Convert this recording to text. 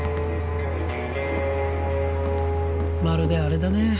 まるであれだね